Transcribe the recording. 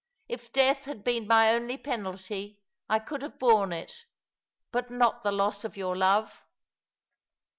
If death had been my only penalty I conld have borne it, bnt not the loss of yonr love."